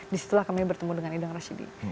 di situlah kami bertemu dengan idang rashidi